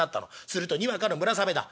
するとにわかの村雨だ。